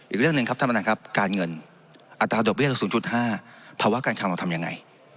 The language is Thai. อีกเรื่องหนึ่งครับธรรมดานครับการเงินอัตราดวิทยาศูนย์๐๕ภาวะการคังเราทำยังไง